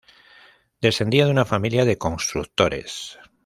Descendía de una familia de constructores.